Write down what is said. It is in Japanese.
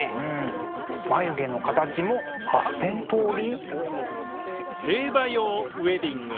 眉毛の形も８，０００通り？